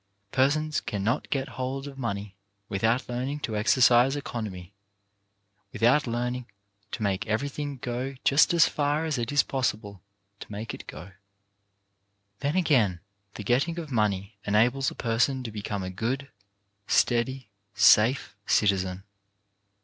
Persons cannot get hold of money without learning to exercise economy, without learning to make everything go just as far as it is possible to make it go. < j Then, again, the getting money enables a per son to become a good, steady, safe citizen.